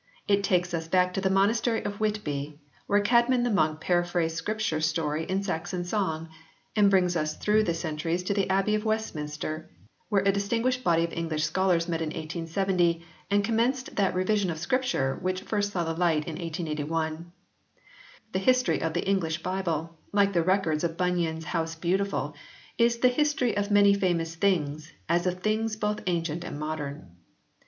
It takes us back to the Monastery of Whitby where Csedmon the monk paraphrased Scripture story in Saxon song, and brings us through the centuries to the Abbey of Westminster where a distinguished body of English scholars met in 1870 and commenced that Revision of the Scriptures which first saw the light in 1881. The History of the English Bible, like the Records of Bunyan s House Beautiful, is "the history of many famous things, as of things both Ancient and Modern."